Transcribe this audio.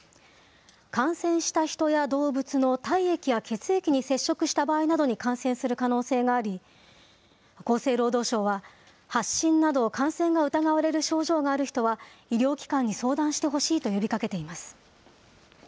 感染した人や動物の体液や血液に接触した場合などに感染する可能性があり、厚生労働省は、発疹など感染が疑われる症状がある人は、医療機関に相談してほしいと呼びかけています。